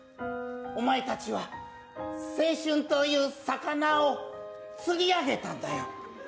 お前たちは青春という魚を釣り上げたんだよ。